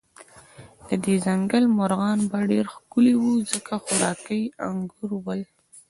د دې ځنګل مرغان به ډېر ښکلي و، ځکه خوراکه یې انګور ول.